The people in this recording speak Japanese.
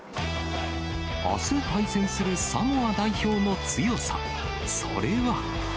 あす対戦するサモア代表の強さ、それは。